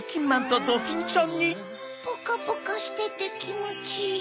ポカポカしててきもちいい。